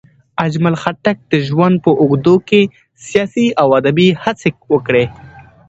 اجمل خټک د ژوند په اوږدو کې سیاسي او ادبي هڅې وکړې.